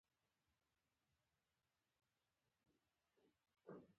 فینول فتالین په تیزابي محلول کې په رنګ معلومیږي.